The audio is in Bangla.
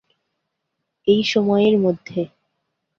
এই সময়ের মধ্যে।